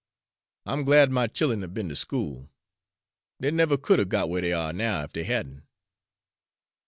I'm glad my child'en have be'n to school. They never could have got where they are now if they hadn't."